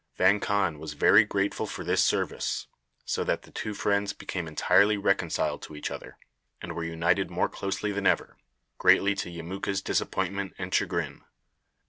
Vang Khan was very grateful for this service, so that the two friends became entirely reconciled to each other, and were united more closely than ever, greatly to Yemuka's disappointment and chagrin.